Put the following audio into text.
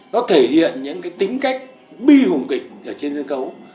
nó thể hiện những cái tính cách bi hùng kịch ở trên sân khấu